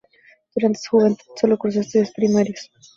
Durante su juventud sólo cursó estudios primarios.